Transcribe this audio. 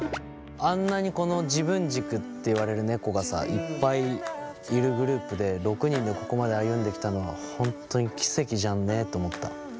あんなに自分軸っていわれる猫がさいっぱいいるグループで６人でここまで歩んできたのはほんとに奇跡じゃんねと思った。